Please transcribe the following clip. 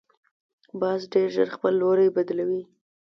باز ډیر ژر خپل لوری بدلوي